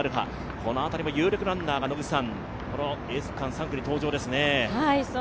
この辺りも有力ランナーがエース区間、３区に登場ですね。